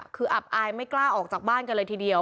คืออับอายไม่กล้าออกจากบ้านกันเลยทีเดียว